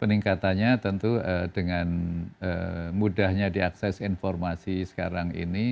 peningkatannya tentu dengan mudahnya diakses informasi sekarang ini